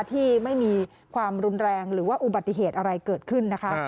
ที่ไม่มีความรุนแรงหรือว่าอุบัติเหตุอะไรเกิดขึ้นนะคะ